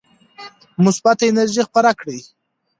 مثبته انرژي خپره کړئ.